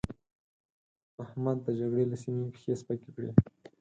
احمد د جګړې له سيمې پښې سپکې کړې.